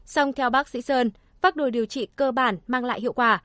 xong theo bác sĩ sơn pháp đồ điều trị cơ bản mang lại hiệu quả